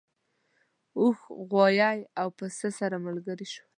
اوښ غوایی او پسه سره ملګري شول.